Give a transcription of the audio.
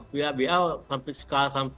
biar biar sampai sekarang